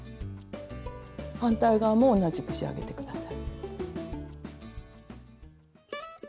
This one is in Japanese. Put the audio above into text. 反対側も同じく仕上げて下さい。